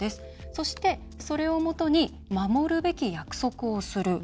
そして、それをもとに守るべき約束をする。